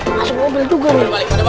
padahal mobil tuh gede